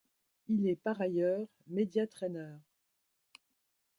Il est par ailleurs media-traineur.